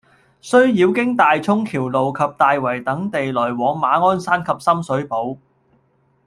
須繞經大涌橋路及大圍等地來往馬鞍山及深水埗，